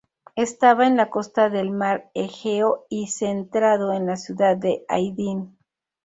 Estaba en la costa del mar Egeo y centrado en la ciudad de Aydin.